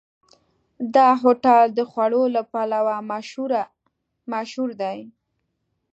دا هوټل د خوړو له پلوه مشهور دی.